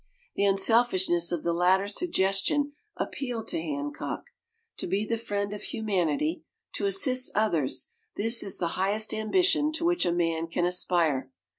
The unselfishness of the latter suggestion appealed to Hancock. To be the friend of humanity, to assist others this is the highest ambition to which a man can aspire!